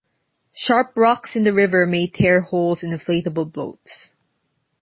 Sharp rocks in the river may tear holes in inflatable boats.